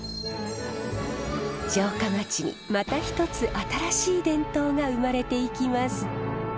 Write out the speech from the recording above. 城下町にまた一つ新しい伝統が生まれていきます。